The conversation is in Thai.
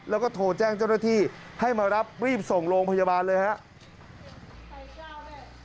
แล้วก็โทรแจ้งเจ้าหน้าที่ให้มารับรีบส่งโรงพยาบาลเลยครับ